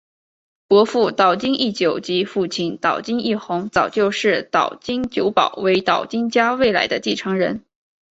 伯父岛津义久及父亲岛津义弘早就视岛津久保为岛津家未来的继承人。